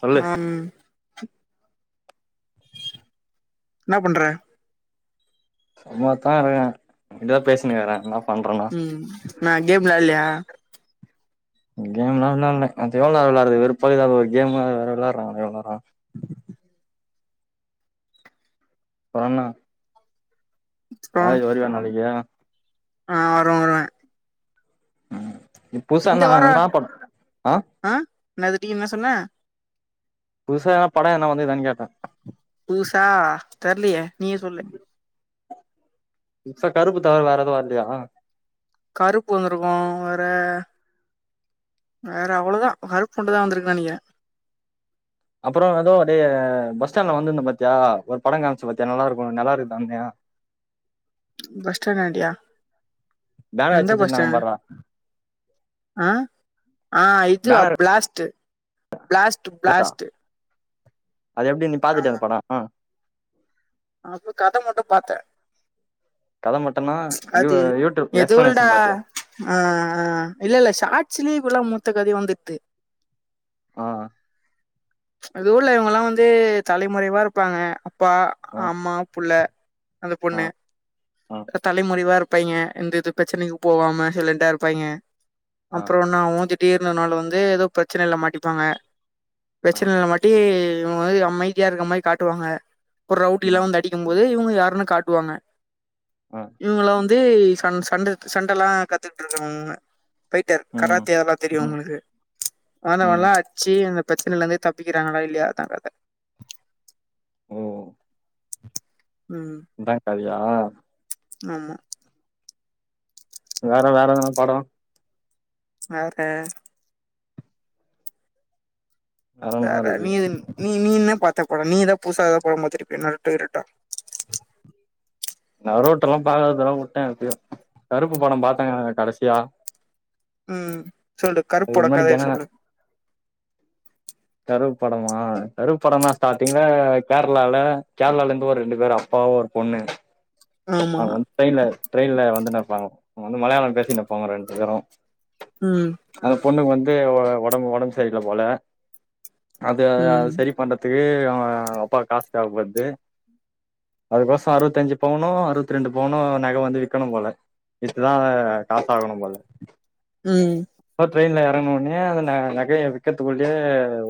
சொல்லு அம் ன்ன பண்ற சும்மாத்தான் இருக்றன் இத பேசினுருக்குற என்ன பண்றேன்னா உம் நா கேம்ல விளயாடுலையா கேம்லம் விளயாடுல அத எவ்வளவு நேரம் விளையாடுறது வெறுப்பாகுதுறா அது ஒரு கேம்மு அத வேற விளாடுறாங்களாம் இவ்வுளவு நேரம். போன்னா ஆய்து வருவியா நாளைக்கு ஆஹ் வருவ-வருவ. இது புதுசா ந என்ன பன்--ஆஹ் என்னாது டி என்ன சொன்ன புதுசா படம் என்ன வந்துதானு கேட்டேன் புதுசா தெர்லையே நீயே சொல்லு இப்ப கருப்பு தவற வேற எதுவும் வரலையா. கருப்பு வந்திருக்கும் வேற வேற அவ்ளோதான் கருப்பு உண்டுதான் வந்திருக்கு நினைக்கிறன். அப்புறம் ஏதோ டேய்ய் பஸ் ஸ்டாண்ட்ல வந்திருந்த பாத்தியா ஒரு படம் காமிச்சப் பாத்தியா நல்லா இருக்கும் நல்லா இருக்குதாணு. பஸ்டாண்டடையா. பேணர் அடுச்சு வச்சிருந்தாங்க பாருற ஆஹ் ஆஹ் இது பிளாஸ்ட்டு-பிளாஸ்ட்டு-பிளாஸ்ட்டு அது எப்டி நீ பாத்துட்டியா அந்த ஆமா படோ ஆ அது கதை மட்டும் பாத்தேன் கத மட்டுன்னா யூ அது யூடியூப் எதுல்டா எக்ஸ்ப்ளனேஷன் பாத்தியா ஆஹ்ஹ் இல்ல இல்ல ஷார்ட்ஸ்லி மொ மொத்த கதையும் வந்துட்து ஆஹ் அந்த ஊர்ல இவங்க எல்லா வந்து தலைமறைவா இருப்பாங்க அப்பா ஆ அம்மா புள்ள அந்த ஆ பொண்ணு ஆ தலைமுறைவா இருப்பாய்ங்க எந்த இது பிரச்சனைக்கு போவாம சைல்லன்டா இருப்பாய்ங் ஆ அப்புற நா ஊங்கிட் இருனனால் வந்து ஏதோ பிரச்சனைல மாட்டிப்பாங்க ஆ பிரச்சினைல மாட்டி இவங்கமாறி அமைதியா இருக்க மாறி காட்டுவாங்க ஒரு ரவுடி எல்லா ம் வந்து அடிக்கும் போது இவுங்க யாருன்னு காட்டுவாங்க ஆ இவங்களா வந் ந்து சண் சண்ட சண்டெல்லா கத்துக்கிட்டு இருக்கவங்க ஃபைட்டர் ம் கராத்தே எல்லா தெரியு ம் அவனுளுக்கு வந்தவன் ம் எல்லா அடிச்சு அந்த இதுலருந்து தப்பிக்கிறாங்களா இல்லையா தாங்க கத ஓ ம் இந்தா காவியா ஆமா வேற வேற எதனா படோ வேற என்ன வேற இருக்கு நீ நீ நீ என்ன பாத்த நீதா புதுசா எதா பட பாத்திருப்பனு [unintelligible] நா ரோட்டல்லா பாக்ரதெல்லா வுட்டே எப்பயோ கருப்பு பட பாத்தங்க கடைசியா உஹ்ம் சொல்லு கருப்புட அதுக்கு முன்னாடி கதைய ஜனன சொல்லு கருப்படமா கருப்படம்னா ஸ்டார்ட்டிங்ல கேரளால கேரளால இருந்து ஒரு ரெண்டு பேரு அப்பாவு ஒரு பொண்ணு ஆமா அவுங் வந் ட்ரெயின்ல ட்ரெயின்ல வந்தனு பாவ வந்து மலையாளம் பேசினுருப்பாங்க ரெண்டு பேரு உம் அந்த பொண்ணுக்கு வந்து ஒடம்பு ஒடம்பு சரியில போல அது ம் அது சரி பண்றதுக்கு அப்பா காசு தேவபட்து அதுக்கோச அறுத்தஞ்சு பவுனோ அறுத்திரெண்டு பவுனோ நகை வந்து விக்கணு போல வித்துதா காசு ஆகணு போல உம் ட்ரெயினில எறங்கன ஒனே அந்த நகையை விக்கிறதுக்குள்ளயே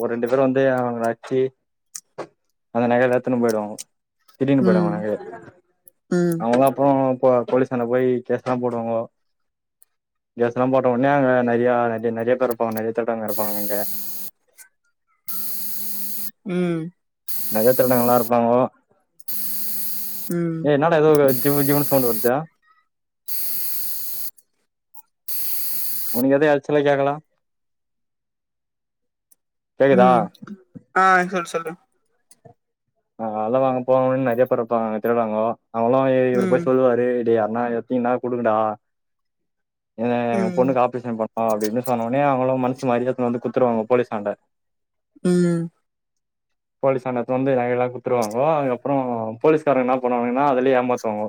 ஒரு ரெண்டு பேரு வந்து அவங்கள அச்ச அந்த நகையெல்லா எத்துன்னு போயிடுவாங்க திருடினு போய்டுவாங்க ம் நகையை ம் அவங்கதா அப்புறோ போ போலீசான்ட போய்யி கேஸ்லா போடுவாங்கோ கேஸ்லா போட்ட உனே அங்க நெறைய நெறைய நெறைய பேர் இருப்பாங்க நெறைய திருடங்க இருப்பாங்க அங்க உம் நெறைய திரடங்கலாம் இருப்பாங்கோ, ம் ஏய் னாடா ஏதோ ஜூ ஜீவன்னு சவுண்ட் வருதூ. உனக்கு எதோ எரச்சலா கேக்ல உம் ஆஹ் சொல் சொல் ஆஹ் அதா நாங்க போனவுனே நெறையப்பேறுப்பாங்க திருவிழாங்கோ அவளாம் இவரு ம் போய் சொல்லுவாரு இடியா நா எத்தினினா குடுங்கடா ஏங்க என் ம் பொண்ணுக்கு ஆப்ரேஷன் பண்ண ஆ அப்டினு சொன்ன ஒடனே அவங்களும் மனசு மாரி வந்து குத்துருவாங்க போலீஸ் ஆண்ட ம் போலீஸாண்ட எத்து வந்து நக எல்லா குடுத்துருவாங்கோ அது அப்புறம் போலீஸ்காரங்க என்ன பண்ணுவாங்கன்னா அதுலயே ஏமாத்துவாங்கோ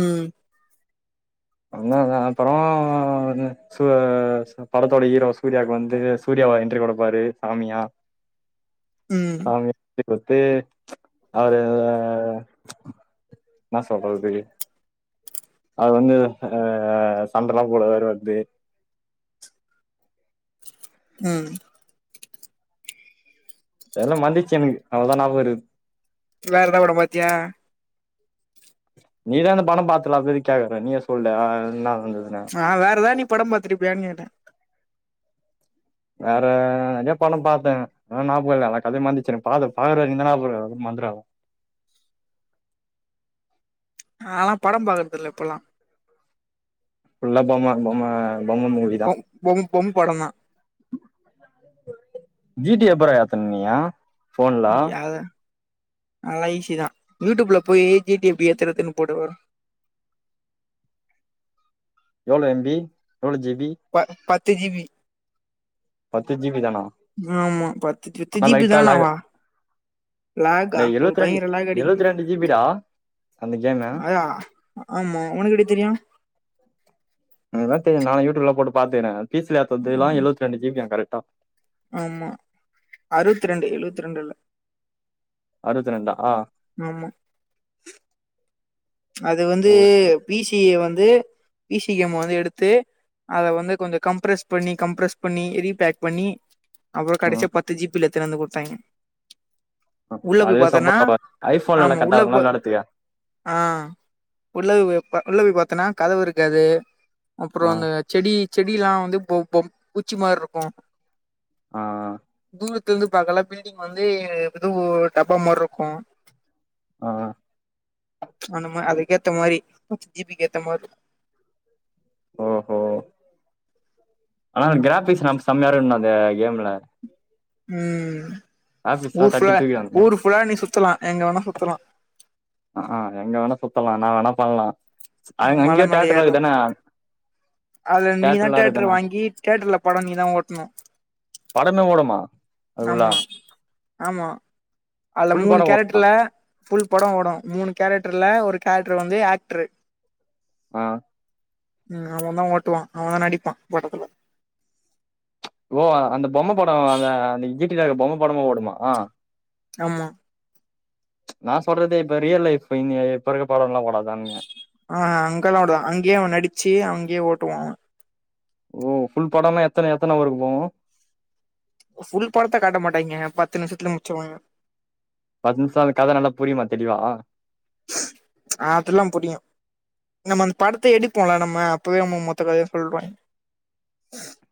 உம் அப்புறம் [unintelligible] படத்தோட ஹீரோ சூர்யா வந்து சூர்யாவ என்றி குடுப்பாரு சாமியா ம் [unintelligible] குடுத்து பன்ச் அவர நா ப்ச் னா சொல்றது அது வந்து அஹ் சண்டல்லா போடுவாரு வந்து உம் எல்லா மந்துச்சு எனக்கு அவ்ளோதா ஞாபகருக் வேற எத பட பாத்தியா நீதான பணம் பாத்துல அப்டி கேக்கற நீயே சொல்லு ஆன்னா அ வேறதா நீ படம் பாத்திருப்பியான்னு கேட்ட வேற நெறைய படம் பாத்தே அத நாபகல்லா கதைய மாந்தச்சு நெறைய பாப்ப மந்துற நாலா படம் பாக்கறது இல்ல இப்பலா உள்ள போமா போமா பொம்ம மூவி தா பொம் பொம் பொம் படந்தா ஜீட்டி எப்பரா ஏத்தன் நீயா யாத அல்லா ஈஸிதா யூடியூப்ல போய் ஜிட்டி எப்டி ஏத்தரதுன்னு போடு வரு எவ்ளோ எம்பி எவ்ளோ ஜிபி த்து ஜீபி பத்து ஜுபி தானா ஆமா பத் துத்து ஆனா ஜுபி லைட்டா லேக் தானாவா கா டேய் எழுவத்தி ரெண்டு பயங்கர லக அடி எழுவத்தி ரெண்டு ஜி பி டா அந்த கேமு அயா ஆமா உனக் எப்டி தெரியு அதா தெ நா யூடியூப்ல போட்டு பாத்தேரன் பீஸ்ல ஏத்ததுல்ல ம் எழுவத்து ரெண்டு ஜிபி யங்க த ஆமா அறுவத்து ரெண்டு எழுவத்தி ரெண்டுல அறுவத்து ரெண்டா ஆ அது வந்து ஓ பிசிஏ வந்து இசி கேம் வந்து எடுத்து அத வந்து கொஞ்சோ கம்ப்ரஸ் பண்ணி கம்ப்ரெஸ் பண்ணி ரீபேக் பண்ணி அப்றோ ம் கடசியா பத்து ஜிபில எத்துனு வந்து போட்டாய்ங்க அ அதுவே சப்போர்ட் ஆகாது ஐபோன்ல்லா கரெக்ட்டா இருக்கும்ல விளாட்றக்கு உள்ளவி உள்ள போய் பாத்தன்னா கதவு இருக்காது ஆ அப்புறோம் அந்த செடி செடி எல்லா வந்து போ போம் பூச்சி மாரி இருக்கு ஆஹ தில்ந்து பாக்கலா பில்டிங் வந்து எதோ டப்பாமாருக்கு ஆஹ் அந்த மா அதுகேத்த மாரி ஜிபி கேத்தமார் ஓஹோ ஆனா கிராபிக்ஸ் நம்ம செம்மாரும்ன அது கேம்ல உம் கிராபிக்ஸ்லா ஊர் தட்டி ஃபுல்லா தூக்கிடு அந்த கேம் ஊர் ஃபுல்லா நீ சுத்தலா எங்க வேணா சுத்தலா ஹ ஆஹ் எங்க வேணா சுத்தல என்ன வேணா பண்லா அ ம் அங்க மல மேல தேட்டர்லா ஏறலா இருகுதானே அதுல நீதா தேயேட்டர் வாங்கி தேட்டர்ல பட நீ தா ஓட்ணு படமே ஓடுமா அதுக்குள்ள ஆமா ஆமா அதுல ஃபுல் படோ மூணு ஓடுமா கேரக்டர்ல ஃபுல் படம் ஓடும் மூணு கேரக்ட் ட்டர்லே ஒரு கேரக்டர் வந்து ஆக்டரு ஆஹ் ம் அவதா ஓட்டுவா அவதா நடிப்பா படத்துல ஓ அந்த பொம்ம பட அந்த அன்னக்கி டிவிலே பொம்ம படமு ஓடுமா ஆமா நா சொல்றதே இப்ப ரியல் லைஃப் இ இப்ப இருக்க படம்ல ஒடாதுதானங்க ஆஹ் அங்கெல்லா ஒடுவாங்க அங்கயே அவன் நடிச்சு அங்கேயே ஓட்டுவா அவன் ஓ ஃபுல் படம்லா எத்தன எத்தன ஊருக்கு போகு ஃபுல் படத்த காட்ட மாட்டாங்க பத்து நிமிஷத்துலே முடிச்சுவாங்கே பத்து நிமிஷோ அந்த கத நல்லா புரியுமா தெளிவா ஆ அதெல்லா புரியு நம்ம அந்த படத்த எடுப்போல நம்ம அப்பவே நம்ம மொத்த கதய சொல்றுவாங்கே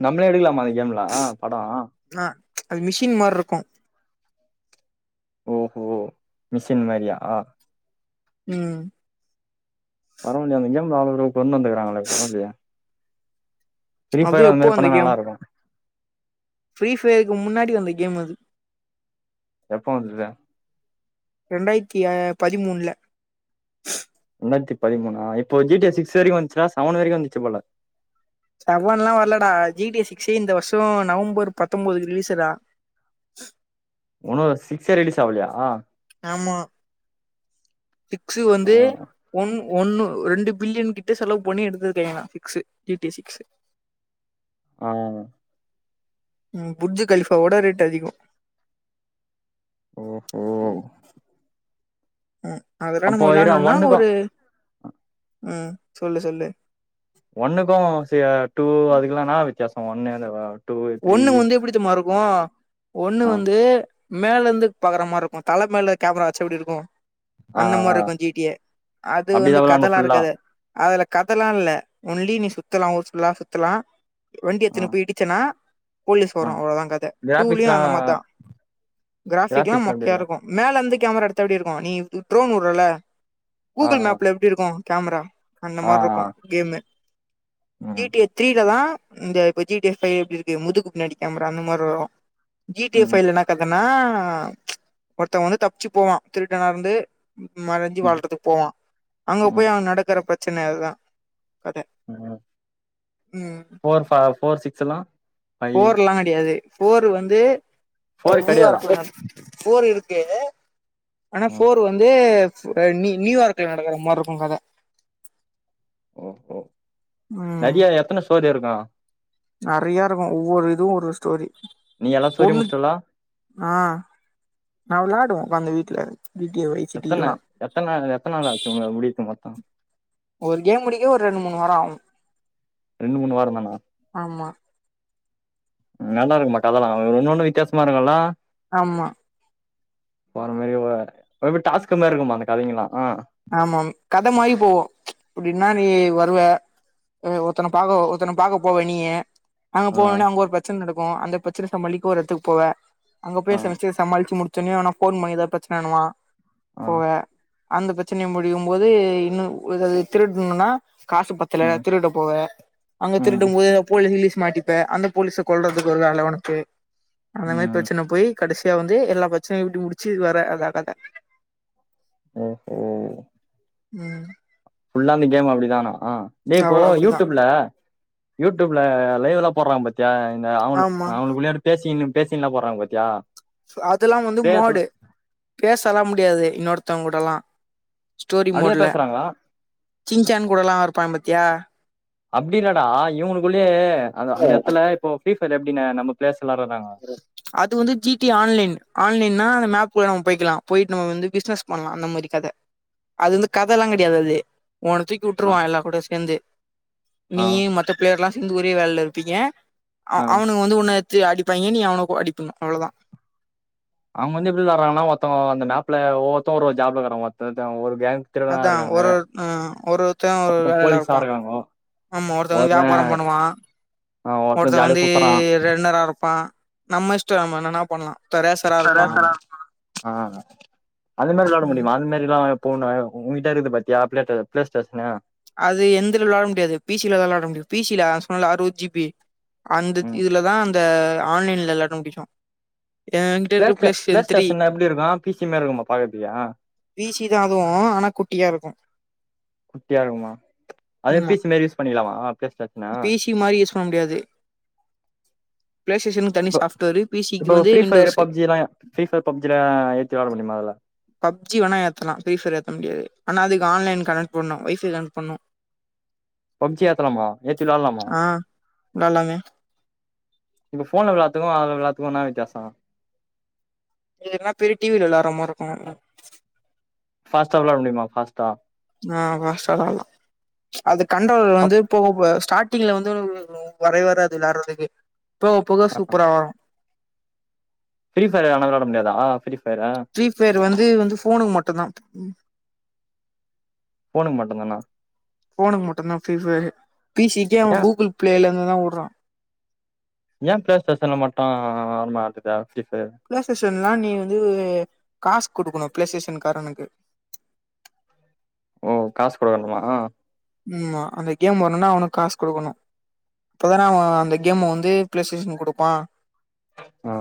நம்மளே எடுக்கலாமா அந்த கேம்ல்லா பட ஆ அது மிஷின் மாரி இருக்கு ஓஹோ மிஷின் மாரியா ம் பரவாயில்லையே அந்த கேம்ல அவ்ளோ கொண்டு வந்ருக்காங்ளே பரவாலயே ஃப்ரீ அதுவு ஃபயர் அந்த எப்போ மாரி வந்த பண்ணா கேம் நல்லாருக்கு ஃப்ரீ ஃபயருக்கு முன்னாடி வந்த கேம் அது எப்போ வந்துருக்கே ரெண்டாயிரத்தி அ பதிமூணுல ரெண்டாயிரத்தி பதிமூணா இப்போ ஜி டி எஸ்சு சிக்ஸ் வரைக்கு வந்துச்சுனா செவன் வரைக்கு வந்துச்சு போல செவன்ல்லா வரலடா ஜி டி எஸ் சிக்ஸே இந்த வருஷ நவம்பர் பத்தம்போதுக்கு ரிலீஸடா உன்னோ சிக்ஸே ரீலிஸ் ஆவுலியா ஆமா சிக்ஸு வந்து ஒன் ஒண்ணு ரெண்டு பில்லியன் கிட்ட செலவு பண்ணி எடுத்துருக்காய்ங்ளா six G T S six ஆ ம் புஜ்ஜு கலிஃபாவோட ரேட் அதிக ஓஹோ ம் அதெல்லா அப்போ நம்ம இரு விளயாடனுன்னா ஒன்னுக்கும் ஒரு ம் சொல்லு சொல்லு ஒண்ணுக்கு ச டூ அதுக்லா என்னா வித் தியாச ஒன்னேல ஒண்ணு வந்து எப்டி தெரிமா இருக்கு ஒண்ணு ஆ வந்து மேல இருந்து பாக்கற மாரி இருக்கு தல மேல கேமரா வெச்சா எப்டி இருக்கு ஆ அந்த ஆ மார்ருக்கு ஜி டி ஏ அது வந்து அப்டிதான் விளாடணும் கதலா ஃபுல்லா இருக்காது அதுல கதலா இல்ல ஒன்லி நீ சுத்தலா ஊர் ஃபுல்லா சுத்தலா வண்டி ஆ எத்துன்னு போய் இடிச்சனா போலீஸ் ஆ வரு அவளதா கத டூ லயு கிராபிக்ஸ்லாம் அந்த மார்தா கிராஃபிக் எல்லா கிராபிக்ஸ்லாம் எப்டி மொக்கையா இருக்கும் இருக்கு மேலந்து கேமரா எடுத்தா எப்டி இருக்கு நீ ட்ரோன் உட்றல்ல ஆ கூகுள் ஆ மேப்ல எப்டி இருக்கு கேமரா அந்த ஆ ஆ மார்ருக்கு கேமு ஜி ம் டி ஏ த்ரீலதா இந்த இப்ப ஜீ டிஃப பைல் எப்டி இருக் முதுகுப் பின்னாடி கேமரா அந்த மாரி வரு ஜீ டி ஏ ம் ஃபைல் என்னா கத நா ஒருத்தவ வந்து தப்ச்சி போவா திருட்டனா இருந்து மறஞ்சு ம் வாழ்றதுக்கு போவா அங்க ம் போய் அவ நடக்குற பிரச் பின்ன அதுதா ஃபோர் ஃபா ஃபோர் சிக் செல்லா ஃபோர்லா கெடையாது போரு வந்து ஃபோர் கெடையாதா நியூயார்க்ல நடந்தது ஃபோர் இருக் எது ஆனா ம் ஃபோர் வந்து [unintelligible] நியூயார்க்ல நடக்கற மாரி இருக்கு கத ஓ ஓ நதியா எத்தன சோ [unintelligible] எற ஆ நெறைய இருக்கு ஒவ்வொரு இதுவு ஒரு ஸ்டோரி நீ எல்லா ஸ்டோரியு ஒண்ணு முடிச்சிட்டலா ஆ நா வெளையாடுவோ அந்த வீட்டுல வை சிட்டி எத்தன எல்லாம் எத்த நாள் எத்தன நாள் ஆச்சி உங்க முடிக்க மொத்த ஒரு கேம் முடிக்க ஒரு ரெண்டு மூணு வார ஆகு ரெண்டு மூணு வாரோ தானா நல்லா இருக்க மாட்டா அதெல்லா ஒன்னொண்ணு வித்தியாசமா இருக்குல ஆமா [unintelligible] எப்டி டாஸ்க் மாரி இருக்குமா அந்த கதைங்கெல்லா ஆமாம் கத மாறி போவு அப்டின்னா நீ வருவ ஒருத்தன பாக்க ஒருத்தன பாக்க போவ நீயி அங்க ஆ போனோனே அங்க ஒரு பிரச்சன நடக் கு அந்த பிரச்சன சமாளிக்க ஒரு இடத்துக்கு போவே அங்க ஆ போய் பிரச்சன சமாளிச்சு முடி [unintelligible] எவனோ ஃபோன் பண்ணி ஏதுனா பிரச்சனனு வா ஆ போவே அந்த பத் பிரச்சன முடியு போது இன்னு ஏதாவது திருடனும்னா காசு பத்தல ம் திருட போவே அங்க திருடு ம் போது ஏதாவது போலீஸ் கீலிஸ் மாட்டிப்ப அந்த போலீஸ கொல்றதுக்கு ஒரு வேல உனக்கு அந்த மாரி ம் பிரச்சன போய் கடசியா வந்து எல்லா பிரச்சனையு இப்டி முடிச்சு வர அதா கத ஓஹோ ம் ஃபுல்லா அந்த கேம் அப்டிதானா ஆ இப்போ அவ்ளோ அப்டிதா யூடுப்ல யூடுப் இல்ல லைவ்லா போட்றாங்க பாத்தியா அந்த அவு ஆமா அவுங்களுக்குள்ள பேசின்னு பேசிலா போறாங்க பாத்தியா அதெல்லா வந்து பேத்துல மோடு பேசலா முடியாது இன்னொருத்தோங்க கூடலா ஸ்டோரி அதே மோட்ல பேசுறாங்க சின்சான் கூடலா இருப்பாங்க பாத்தியா அப்டில்லடா இவுங்களுக்குள்ளயே அந்த இடத்துல இப்ப பே எப்டினா நம்ம பேச அது வந்து ஜீ டீ ஆன்லைன் ஆன்லைன்னா அந்த மேப்குலா போயிக்கலா போயிட்டு நம்ம வந்து பிசினஸ் பண்ணலா அந்த மாரி கத அது வந்து கதெல்லா கெடையாது அது உன்ன தூக்கி ஆ விட்டுருவா எல்லா கூட சேர்ந்து ஆ நீ மத்த பிளேயர்லா சேந்துஒரே வேலைல இருப்பீங்க அவ் ஆ அவனுக்கு வந்து உன்ன எடுத்து அடி ப்பாய்ங்க நீ அவனு அடிப்பணு அவ்ளோ தா அவங்க வந்து எப்படி தர்றாங்கன்னா ஒருத்தம் அந்த மேப்ல ஒவொத்த ஒரு ஜாப்ல இருக்கறாங்கத்தத்த ஒரு கேங் திருடனா அதா இருக்காங்க ஒரு ஹ ஒருத்த ஒரு ஒருத்தன் போலீஸா வேலப்பா இருக்காங்க ஆமா ஒருத்த வந்து ஒருத்தன் வியாபாரம் பண்ணுவா ஆ, ஒருத்தன் ஒருத்த ஜாலியா வந்து சுத்துறான் ரெண்டரா இருப்பா நம்ம இஷ்ட நம்ம என்னன்ன பண்லா ஒருத்த ரேசரா இருப்பான் ஆஹ் அந்த மாரி விளாட ம் முடிமா அந்த மாரிலா ஃபோணு உங்கிட்ட இருக்குது பாத்தியா அப்டேட்டு பிளே ஸ்டேஷ்னு அது எந்தல விளாட முடியாது பிசிலதான் விளாட முடியும் பிசில சொன்னல அறுபது ஜிபி அந்த ம் இதுலதான் இந்த ஆன்லைன்ல ல்லாட்டு [unintelligible] ஏங்கிட்ட பிளே இருக்கு stay place play three station எப்படி இருக்கும் பிசி மாதிரி இருக்குமா பாக்கறதுக்கா பீசி தா அதுவு ஆனா குட்டியாருக்கும் குட்டியா ருக்குமா அதுவும் பீஸ் மாரி யூஸ் பண்ணிக்லாமா ப்ளே ஸ்டேஷன பிசி மாதிரி யூஸ் பண்ண முடியாது பிளே ஸ்டேஷனுக்கு தனி இப்ப சாஃப்ட்வேர் பிசிக்கு இப்போ வந்து ஃப்ரீ ஃபயர் விண்டோஸ் பப்ஜிலா ஃப்ரீ ஃபயர் பப்ஜிலா ஏத்தி வெளாட முடியுமா அதுல பப்ஜி வேணா ஏத்தலா ஃப்ரீஃபயர் ஏத்த முடியாது ஆனா அதுக்கு ஆன்லைன் கனெக்ட் பண்ணும் ஒய்ஃபை கனெட் பண்ணும் பப்ஜி ஏத்தலாமா ஏத்தி விளாலாமா ஆ விளாடலாமே இப்ப போன்ல விளாத்துக்கும் அதுல விளாத்துக்கும் என்ன வித்தியாசொ இது னா பெரிய டிவில விள்ளாட்ற மார்ருக்கும் ஃபாஸ்டா வெளாட முடியுமா ஃபாஸ்டா ஆஹ் ஃபாஸ்டா வெளாட்லா அது கண்டவர் அப் வந்து போக கூடாது ஸ்டாட்டிங்ல வந்து [inaudible] வரவே வராது விளாட்றதுக்கு போக போக சூப்பரா வரு ஃப்ரி ஃபயரரு ஆன வெள்ளாட முடியாதா ஃப்ரி ஃப்ரீபயர் வந்து வந்து போனுக் மட்டுதா ம் போனுக் மட்டு்ந்தானா போனுக் மட்டுந்தா ஃபிரிபயர் பிசிகே அவ ஏ கூகுள் ப்ளேல ததா உட்றா ஏ ப்ளே ஸ்டேஸன்ல மட்டு வர மாட்டுத பிளேஸேஷன்லா நீ வந்து வே காஸ் குடுக்ணு ப்ளே ஷேஷன் காரனுக்கு ஓ காசு குடுக்கணுமா ம்மா அந்த கேம் வரணுனா அவனுக்கு காசு குடுக்கணு அப்பதானே அவ அந்த கேம வந்து பிளே ஸ்டேஷன் குடுப்பா ஆ